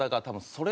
それ。